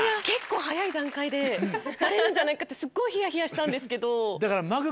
結構早い段階でバレるんじゃないかってすっごいひやひやしたんですけど。